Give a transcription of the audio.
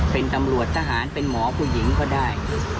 เป็นตำรวจทหารเป็นหมอผู้หญิงก็ได้